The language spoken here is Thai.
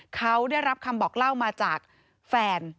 เขาได้รับคำบอกเล่ามาจากแฟน